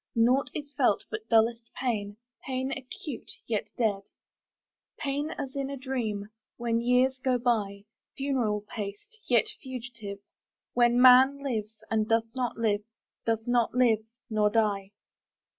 Naught is felt but dullest pain, Pain acute, yet dead; Pain as in a dream, When years go byFuneral paced, yet fugitive, When man lives, and doth not live, Doth not live—nor die.